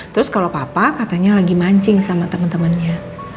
terus kalau papa katanya lagi mancing sama temen temennya